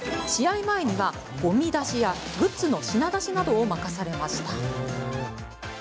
試合前には、ごみ出しやグッズの品出しなどを任されました。